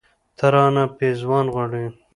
، ته رانه پېزوان غواړې